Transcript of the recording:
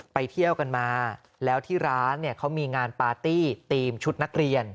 ไปเที่ยวกันมาแล้วที่ร้านเนี่ยเขามีงานปาร์ตี้ทีมชุดนักเรียน